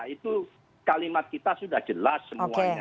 itu kalimat kita sudah jelas semuanya